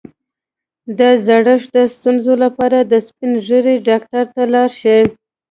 د زړښت د ستونزو لپاره د سپین ږیرو ډاکټر ته لاړ شئ